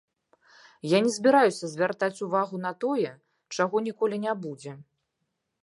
Я не збіраюся звяртаць увагу на тое, чаго ніколі не будзе.